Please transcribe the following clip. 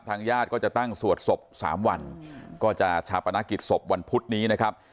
ญาติก็จะตั้งสวดศพสามวันก็จะชาปนกิจศพวันพุธนี้นะครับ